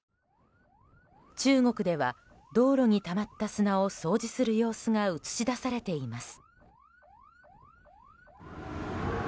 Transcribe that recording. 中国では、道路にたまった砂を掃除する様子が映し出されています。